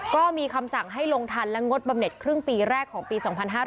ก็มีคำสั่งให้ลงทันและงดบำเน็ตครึ่งปีแรกของปี๒๕๕๙